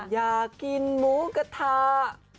อยากกินหมูกระทะ